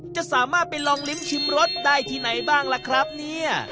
จะสามารถไปลองลิ้มชิมรสได้ที่ไหนบ้างล่ะครับเนี่ย